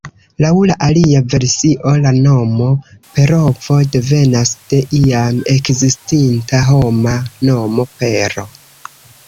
Laŭ la alia versio, la nomo Perovo devenas de iam ekzistinta homa nomo Pero.